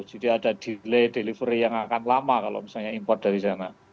jadi ada delay delivery yang akan lama kalau misalnya import dari sana